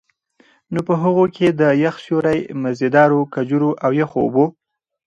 نو په هغو کي د يخ سيُوري، مزيدارو کجورو، او يخو اوبو